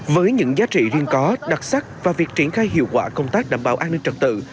với những giá trị riêng có đặc sắc và việc triển khai hiệu quả công tác đảm bảo an ninh trật tự